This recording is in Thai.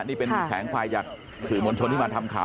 นี่เป็นแสงไฟจากสื่อมวลชนที่มาทำข่าว